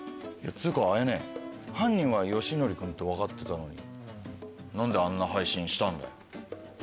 つうか綾音犯人は義徳君って分かってたのに何であんな配信したんだよ。